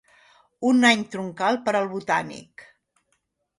Un any troncal per al Botànic